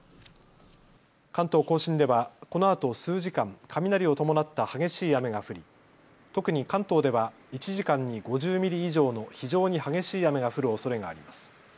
関東甲信ではこのあと数時間雷を伴った激しい雨が降り特に関東では１時間に５０ミリ以上の非常に激しい雨が降るおそれがあります。